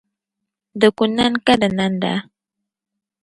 Di ku nani ka di nanda.